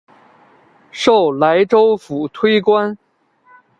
授莱州府推官。